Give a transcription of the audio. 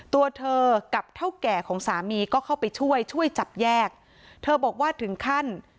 ตัวเธอกับเท่าแก่ของสามีก็เข้าไปช่วยช่วยจับแยกเธอบอกว่าถึงขั้น